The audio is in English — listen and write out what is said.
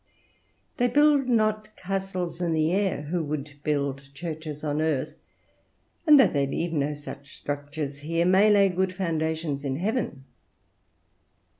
They build not castles in the air who would build churches on earth; and though they leave no such structures here, may lay good foundations in heaven.